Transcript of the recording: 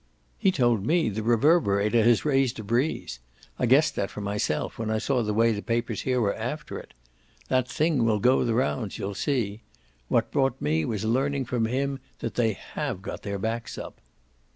"He told me the Reverberator has raised a breeze. I guessed that for myself when I saw the way the papers here were after it. That thing will go the rounds, you'll see. What brought me was learning from him that they HAVE got their backs up."